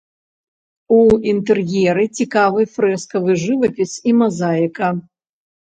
У інтэр'еры цікавы фрэскавы жывапіс і мазаіка.